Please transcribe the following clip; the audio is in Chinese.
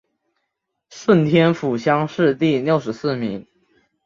顺天府乡试第六十四名。